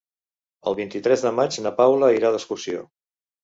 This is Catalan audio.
El vint-i-tres de maig na Paula irà d'excursió.